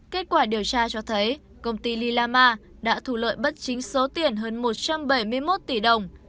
kết quả điều tra cho thấy công ty lila ma đã thu lợi bất chính số tiền hơn một trăm bảy mươi một tỷ đồng